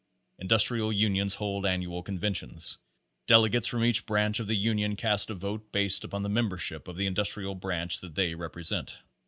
Industrial Unions hold annual conventions. Dele gates from each Branch of the Union cast a vote based upon the membership of the Industrial Branch that they represent.